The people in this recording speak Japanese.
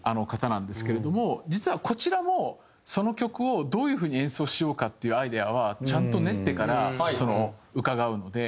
実はこちらもその曲をどういう風に演奏しようかっていうアイデアはちゃんと練ってから伺うので。